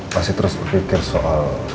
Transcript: masih terus berpikir soal